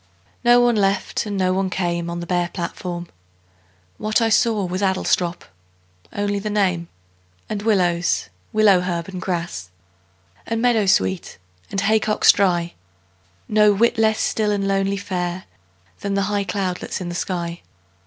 No one left and no one came On the bare platform. What I saw Was Adlestrop only the name And willows, willow herb, and grass, And meadowsweet, and haycocks dry; No whit less still and lonely fair Than the high cloudlets in the sky.